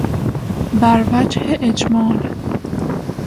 بر وجه اجمال